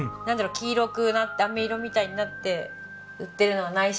黄色くなってあめ色みたいになって売ってるのはないしね。